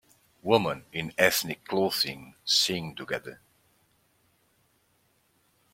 Women in ethnic clothing sing together.